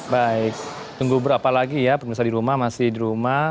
baik tunggu berapa lagi ya pemirsa di rumah masih di rumah